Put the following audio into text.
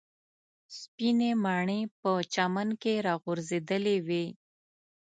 سپینې مڼې په چمن کې راغورځېدلې وې.